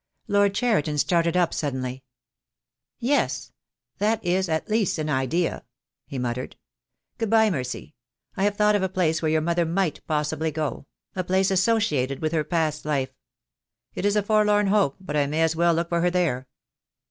Lord Cheriton started up suddenly. "Yes, that is at least an idea," he muttered. "Good bye, Mercy. I have thought of a place where your mother might possibly go — a place associated with her past life. 236 THE DAY WILL COME. It is a forlorn hope, but I may as well look for her there.